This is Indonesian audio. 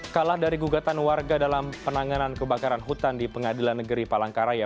kalah dari gugatan warga dalam penanganan kebakaran hutan di pengadilan negeri palangkaraya